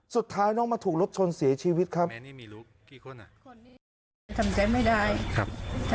สุดท้ายน้องมาถูกรถชนเสียชีวิตครับ